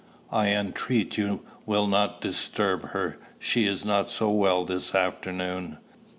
"I entreat you will not disturb her. She is not so well this afternoon."